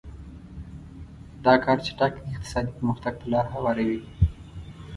دا کار چټک اقتصادي پرمختګ ته لار هواروي.